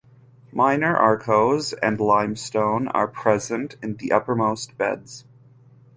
Minor arkose and limestone are present in the uppermost beds.